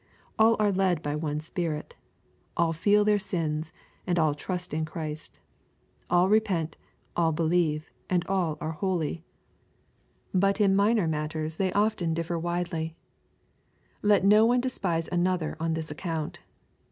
All are led by one Spirit. All feel their sins, and all trust in Christ. All repent, all believe, and all are holy. But in minor matters they often differ LUKE^ CIIAF. X. 385 widely. Let not one despise another on this account.